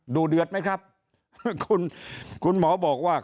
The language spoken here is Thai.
ดูเดือดไหมครับคุณคุณหมอบอกว่า